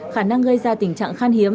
khả năng gây ra tình trạng khan hiếm